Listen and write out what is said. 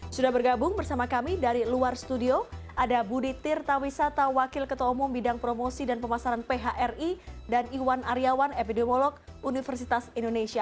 sudah bergabung bersama kami dari luar studio ada budi tirtawisata wakil ketua umum bidang promosi dan pemasaran phri dan iwan aryawan epidemiolog universitas indonesia